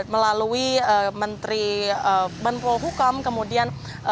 melalui menteri bantul hukum kemudian